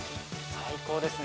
最高ですね。